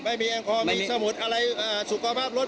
ไม่มีแอลกอฮอล์มีสมุดสุขภาพรถ